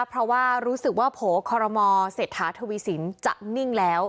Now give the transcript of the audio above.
เพราะว่ารู้สึกว่าโผล่คอรมอเศรษฐาทวีสินจะนิ่งแล้ว